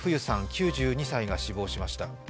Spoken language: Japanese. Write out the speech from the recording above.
９２歳が死亡しました。